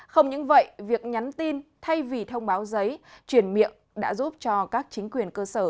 không những vậy việc nhắn tin thay vì thông báo giấy truyền miệng đã giúp cho các chính quyền cơ sở